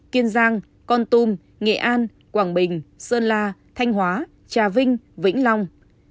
kiên giang con tum nghệ an quảng bình sơn la thanh hóa trà vinh vĩnh long